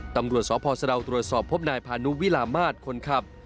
ตำรวจสพสะดาวตรวจสอบพบนายพานุวิลามาศคนขับ